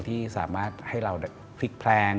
ที่สามารถให้เราพลิกแพลน